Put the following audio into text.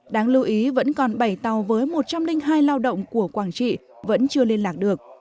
đáng lưu ý vẫn còn bảy tàu với một trăm linh hai lao động của quảng trị vẫn chưa liên lạc được